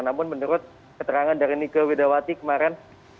namun menurut keterangan dari nike widawati kemarin